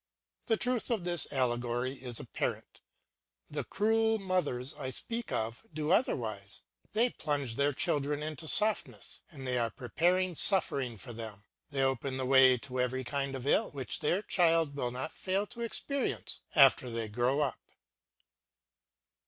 The truth of this allegory is apparent. The cruel mothers I speak of do otherwise; they plunge their children into softness, and they are preparing suffering for them, they open the way to every kind of ill, which their children will not fail to experience after they grow up.